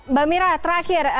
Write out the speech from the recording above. mbak mira terakhir